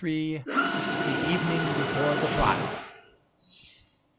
THE EVENING BEFORE THE TRIAL.